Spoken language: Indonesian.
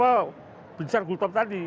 aneh ini sudah diketik